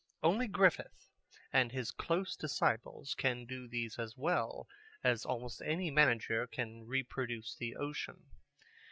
Only Griffith and his close disciples can do these as well as almost any manager can reproduce the ocean.